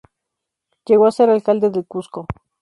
Llegó a ser alcalde del Cusco.